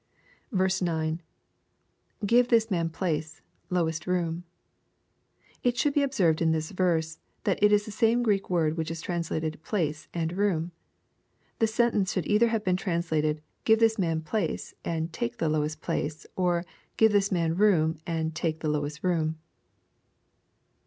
9. — [Give ^is man place.,.lowesi room.] It should be observed in this verse, that it is the same Greek word which is translated " place" and " room." The sentence should either have been trans lated, " give this man place," and " take the lowest place," — or " give this man room," and " take the lowest room."